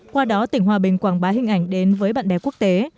qua đó tỉnh hòa bình quảng bá hình ảnh đến với bạn bè quốc tế